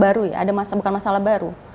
ada masalah baru